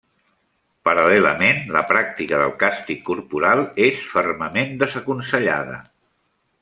Paral·lelament, la pràctica del càstig corporal és fermament desaconsellada.